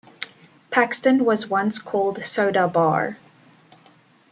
Paxton was once called Soda Bar.